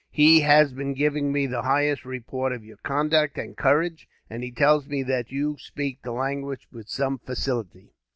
He has been giving me the highest report of your conduct and courage, and he tells me that you speak the language with some facility."